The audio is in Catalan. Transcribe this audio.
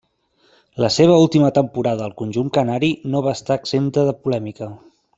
La seva última temporada al conjunt canari no va estar exempta de polèmica.